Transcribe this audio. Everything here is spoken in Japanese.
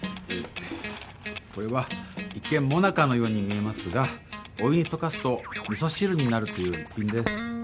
えぇこれは一見もなかのように見えますがお湯に溶かすとみそ汁になるという一品です。